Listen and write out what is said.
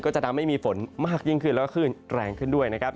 จะทำให้มีฝนมากยิ่งขึ้นแล้วก็คลื่นแรงขึ้นด้วยนะครับ